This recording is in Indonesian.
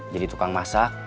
jadi tukang masak